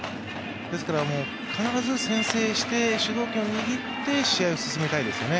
ですから必ず先制して主導権を握って試合を進めたいですよね。